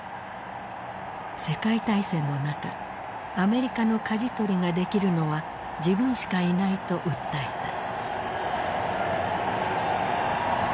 世界大戦の中アメリカのかじ取りができるのは自分しかいないと訴えた。